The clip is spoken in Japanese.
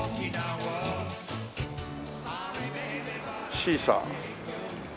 シーサー。